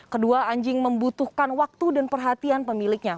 kedua anjing membutuhkan waktu dan perhatian pemiliknya